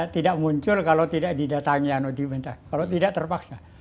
tidak muncul kalau tidak didatangi kalau tidak terpaksa